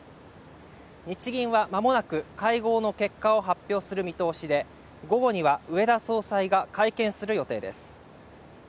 日銀はまもなく会合の結果を発表する見通しで午後には植田総裁が会見する予定です